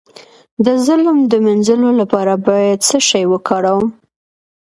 د ظلم د مینځلو لپاره باید څه شی وکاروم؟